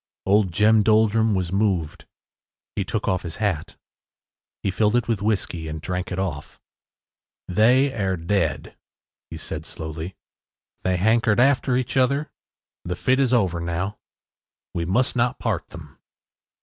Old Jem Doldrum was moved. He took off his hat. He filled it with whiskey and drank it off. “They air dead,” he said slowly, “they hankered after each other. The fit is over now. We must not part them.